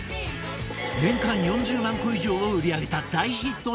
年間４０万個以上を売り上げた大ヒット商品